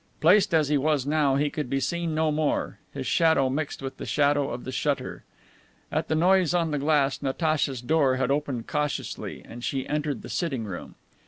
Placed as he was now he could be seen no more. His shadow mixed with the shadow of the shutter. At the noise on the glass Natacha's door had opened cautiously, and she entered the sitting room.